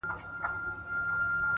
• زه په خپل ځان کي بندي د خپل زندان یم,